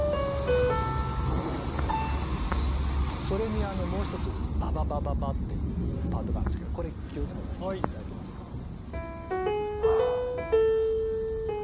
それにあのもう一つバババババっていうパートがあるんですけどこれ清塚さん弾いて頂けますか？